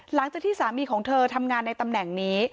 หลังจากที่สามีของเธอทำงานในตำแหน่งนี้